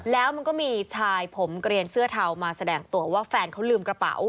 แล้วมันก็มีชายผมเกลียนเสื้อเทามาแสดงตัวว่าแฟนเขาลืมกระเป๋า